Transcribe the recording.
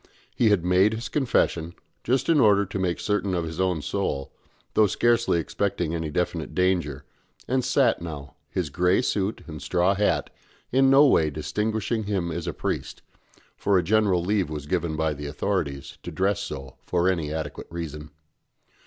He had made his confession, just in order to make certain of his own soul, though scarcely expecting any definite danger, and sat now, his grey suit and straw hat in no way distinguishing him as a priest (for a general leave was given by the authorities to dress so for any adequate reason).